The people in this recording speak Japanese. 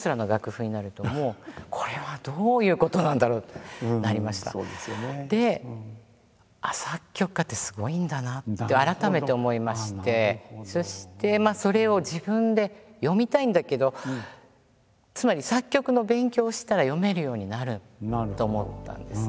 ピアノは弾いていますけど作曲家ってすごいんだなって改めて思いましてそしてそれを自分で読みたいんだけどつまり作曲の勉強をしたら読めるようになると思ったんです。